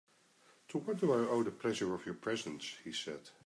"To what do I owe the pleasure of your presence," he said.